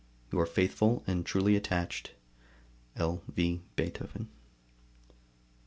Your faithful and truly attached L. V. BEETHOVEN. 14.